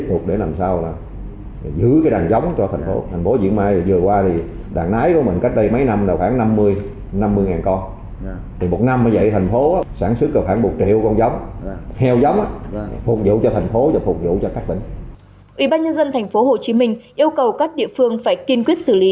ủy ban nhân dân thành phố hồ chí minh yêu cầu các địa phương phải kiên quyết xử lý